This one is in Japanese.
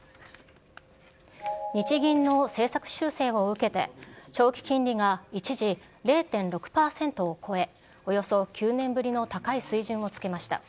日銀の政策修正を受けて長期金利が一時０．６％を超え、およそ９年ぶりの高い水準をつけました。